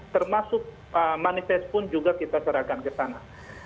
termasuk manifest pun juga kita serahkan ke sana